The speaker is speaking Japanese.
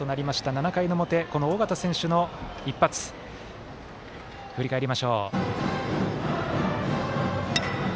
７回の表、尾形選手の一発振り返りましょう。